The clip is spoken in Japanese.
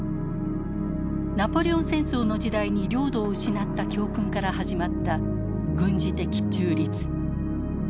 ナポレオン戦争の時代に領土を失った教訓から始まった軍事的中立。